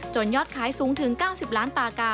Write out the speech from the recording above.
ยอดขายสูงถึง๙๐ล้านปากา